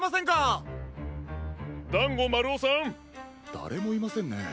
だれもいませんね。